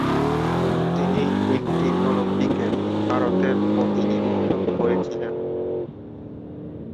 তিনি তিনটি অলিম্পিকে ভারতের প্রতিনিধিত্ব করেছিলেন।